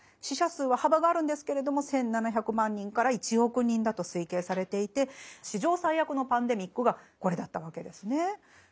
死者数は幅があるんですけれども１，７００万人から１億人だと推計されていて史上最悪のパンデミックがこれだったわけですね。